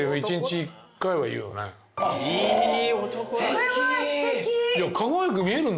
それはすてき。